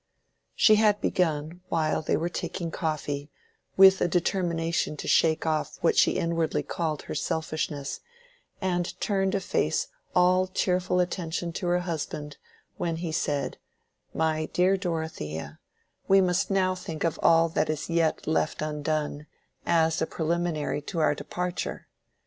She had begun, while they were taking coffee, with a determination to shake off what she inwardly called her selfishness, and turned a face all cheerful attention to her husband when he said, "My dear Dorothea, we must now think of all that is yet left undone, as a preliminary to our departure.